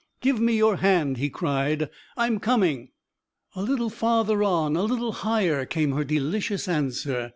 "Give me your hand," he cried, "I'm coming ...!" "A little farther on, a little higher," came her delicious answer.